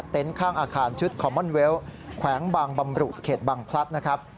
ข้างอาคารชุดคอมม่อนเวลต์แขวงบางบำรุเขตบางพลัดนะครับ